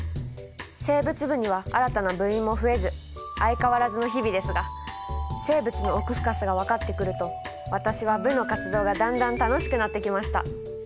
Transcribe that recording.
生物部には新たな部員も増えず相変わらずの日々ですが生物の奥深さが分かってくると私は部の活動がだんだん楽しくなってきました。